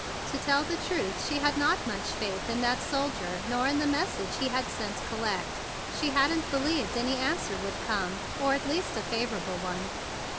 To tell the truth, she had not had much faith in that soldier nor in the message he had sent "collect." She hadn't believed any answer would come, or at least any favorable one.